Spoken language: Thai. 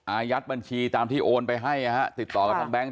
อายัดบัญชีตามที่โอนไปให้ติดต่อกับตั้งแบงค์